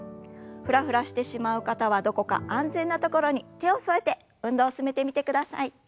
フラフラしてしまう方はどこか安全な所に手を添えて運動を進めてみてください。